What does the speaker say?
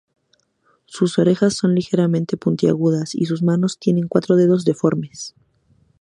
Sus orejas son ligeramente puntiagudas y sus manos tienen cuatro dedos deformes.